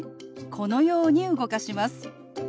このように動かします。